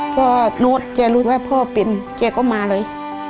พ่อโน้ตแจ้รู้ว่าพ่อเป็นแจ้ก็มาเลย